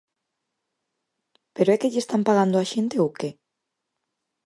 ¡¿Pero é que lle están pagando á xente ou que?!